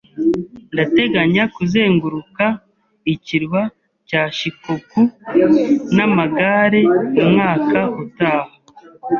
Ndateganya kuzenguruka ikirwa cya Shikoku n'amagare umwaka utaha.